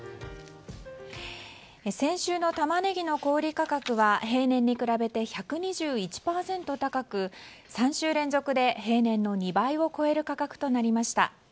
先週のタマネギの小売価格は平年に比べて１２１％高く３週連続で平年の２倍を超える価格となりました。